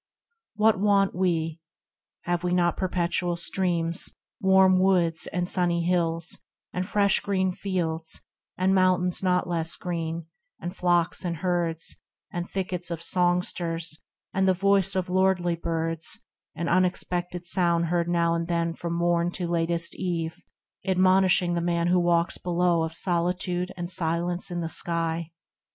What want we ? have we not perpetual streams, Warm woods, and sunny hills, and fresh green fields, And mountains not less green, and flocks and herds, And thickets full of songsters, and the voice Of lordly birds, an unexpected sound Heard now and then from morn to latest eve, Admonishing the man who walks below io THE RECLUSE, Of solitude and silence in the sky